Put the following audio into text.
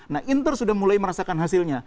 nah inter sudah mulai merasakan hasilnya